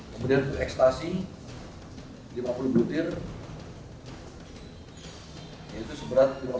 kemudian untuk ekstasi lima puluh butir yaitu seberat lima belas dua gram